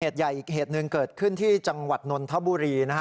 เหตุใหญ่อีกเหตุหนึ่งเกิดขึ้นที่จังหวัดนนทบุรีนะฮะ